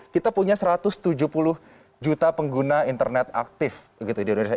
kita punya satu ratus tujuh puluh juta pengguna internet aktif gitu di indonesia